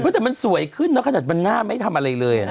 แต่มันสวยขึ้นนะขนาดมันหน้าไม่ทำอะไรเลย